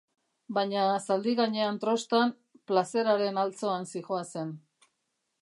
Baina zaldi gainean trostan, plazeraren altzoan zihoazen.